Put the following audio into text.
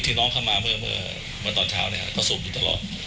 น้องเข้ามาเมื่อตอนเช้าก็สูบอยู่ตลอด